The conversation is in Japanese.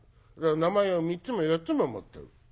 名前を３つも４つも持ってる。